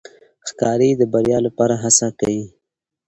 ښکاري د بریا لپاره هڅه کوي.